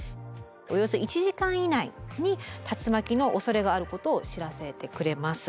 およそ１時間以内に竜巻のおそれがあることを知らせてくれます。